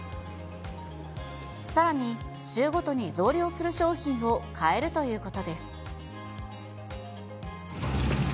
さらに週ごとに増量する商品を変えるということです。